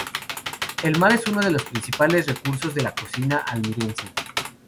El mar es uno de los principales recursos de la cocina almeriense.